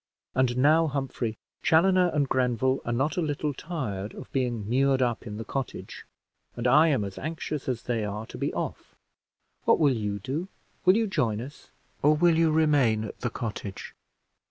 And now, Humphrey, Chaloner and Grenville are not a little tired of being mured up in the cottage, and I am as anxious as they are to be off. What will you do? Will you join us, or will you remain at the cottage?"